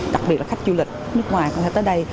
đặc biệt là khách du lịch nước ngoài có thể tới đây